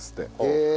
へえ。